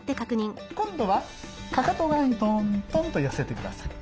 今度はかかと側にトントンと寄せてください。